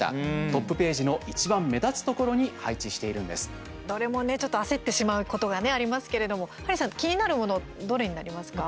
トップページのいちばん目立つところにどれもねちょっと焦ってしまうことがねありますけれどもハリーさん、気になるものどれになりますか？